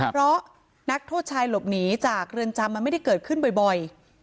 เพราะนักโทษชายหลบหนีจากเรือนจำมันไม่ได้เกิดขึ้นบ่อย